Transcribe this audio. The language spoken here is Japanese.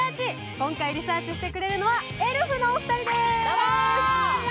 今回リサーチしてくれるのはエルフのお二人です。